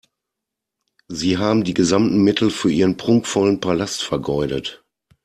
Sie haben die gesamten Mittel für Ihren prunkvollen Palast vergeudet.